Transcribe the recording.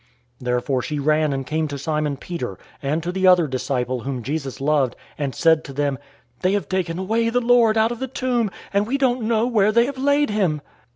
020:002 Therefore she ran and came to Simon Peter, and to the other disciple whom Jesus loved, and said to them, "They have taken away the Lord out of the tomb, and we don't know where they have laid him!"